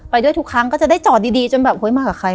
ไปด้วยทุกครั้งก็จะได้จอดดีจนแบบเฮ้ยมากับใคร